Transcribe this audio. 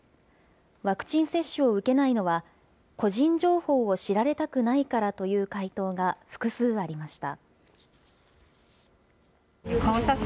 ワクチン接種を受けないのは、個人情報を知られたくないからという回答が複数ありました。